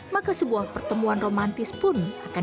maka sebuah pertemuan romantis pun bisa dikirimkan